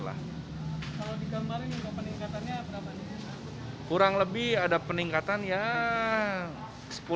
kalau digambarin peningkatannya berapa